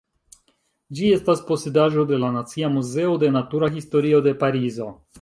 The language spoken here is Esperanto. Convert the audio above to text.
Ĝi estas posedaĵo de la Nacia Muzeo de Natura Historio de Parizo.